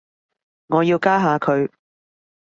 我要加下佢